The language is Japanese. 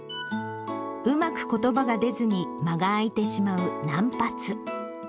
うまくことばが出ずに、間が空いてしまう難発。